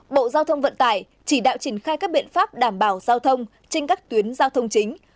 bộ giao thông vận tải chỉ đạo triển khai các biện pháp đảm bảo giao thông trên các tuyến giao thông chính